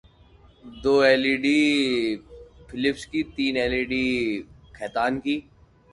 The campaign's message, promoted on t-shirts and other things, is Vote or Die!